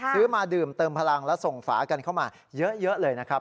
ซื้อมาดื่มเติมพลังและส่งฝากันเข้ามาเยอะเลยนะครับ